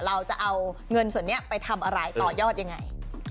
เราจะเอาเงินส่วนนี้ไปทำอะไรต่อยอดยังไง